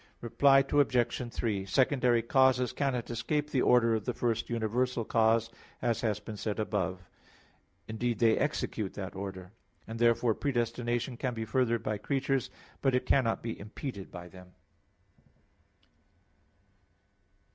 Reply Obj. 3: Secondary causes cannot escape the order of the first universal cause, as has been said above (Q. 19, A. 6), indeed, they execute that order. And therefore predestination can be furthered by creatures, but it cannot be impeded by them.